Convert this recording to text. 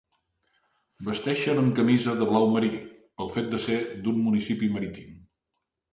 Vesteixen amb camisa de blau marí, pel fet de ser d'un municipi marítim.